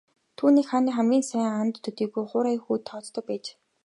Түүнийг хааны хамгийн сайн анд төдийгүй хуурай хүүд тооцдог байж.